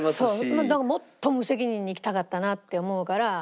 もっと無責任に生きたかったなって思うから。